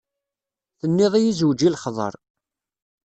Tenniḍ-iyi zewǧ i lexḍer.